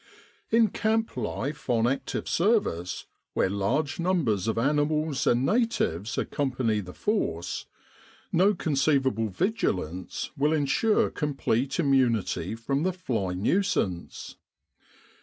In camp life on active service, where large numbers of animals and natives accompany the Force, no conceivable vigilance will 1 66 Camp Sanitation ensure complete immunity from the fly nuisance.